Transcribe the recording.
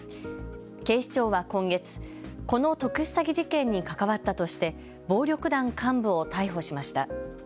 警視庁は今月、この特殊詐欺事件に関わったとして暴力団幹部を逮捕しました。